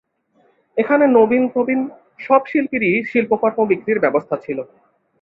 এখানে নবীন-প্রবীণ সব শিল্পীরই শিল্পকর্ম বিক্রির ব্যবস্থা ছিল।